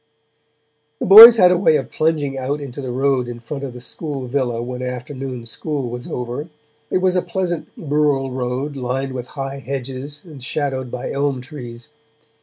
The boys had a way of plunging out into the road in front of the school villa when afternoon school was over; it was a pleasant rural road lined with high hedges and shadowed by elm trees.